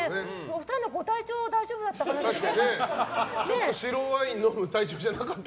２人のご体調大丈夫だったかなと。